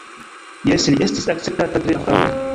Jes, li estis akceptata tre afable.